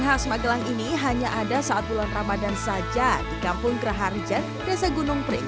khas magelang ini hanya ada saat bulan ramadan saja di kampung geraha rijan desa gunung pring